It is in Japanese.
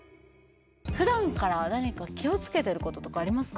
普段から何か気をつけてることとかありますか？